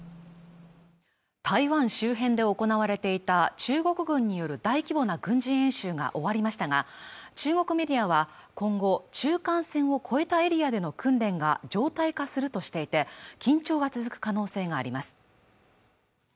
台湾周辺で行われていた中国軍による大規模な軍事演習が終わりましたが中国メディアは今後中間線を越えたエリアでの訓練が常態化するとしていて緊張が続く可能性があります